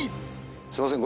すいません。